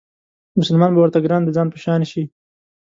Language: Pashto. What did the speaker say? مسلمان به ورته ګران د ځان په شان شي